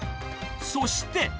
そして。